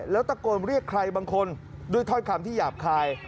แล้วตะโกนเรียกใครบางคนด้วยถ้อยคำที่หยาบคาย